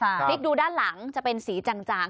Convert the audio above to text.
พลิกดูด้านหลังจะเป็นสีจาง